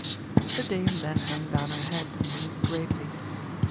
The dame then hung down her head and mused greatly.